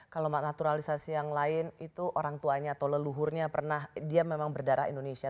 kalau maknaturalisasi yang lain itu orang tuanya atau leluhurnya pernah dia memang berdarah indonesia